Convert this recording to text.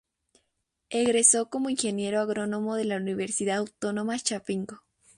Egresó como ingeniero agrónomo de la Universidad Autónoma Chapingo.